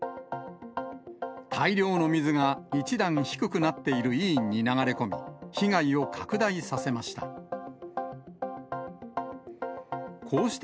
大量の水が一段低くなっている医院に流れ込み、被害を拡大させました。